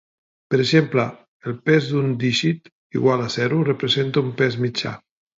Per exemple, el Pes amb un dígit igual a zero representa un pes mitjà.